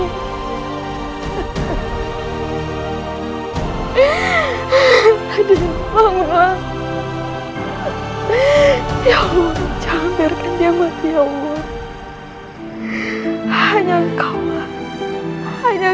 itu mungkin merupakan hal buruk untuk pertemuan mumbai kesejahteraan mahasiswa